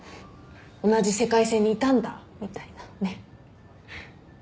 同じ世界線にいたんだみたいなねっ。